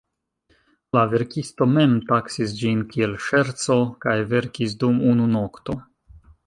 La verkisto mem taksis ĝin kiel "ŝerco" kaj verkis dum unu nokto.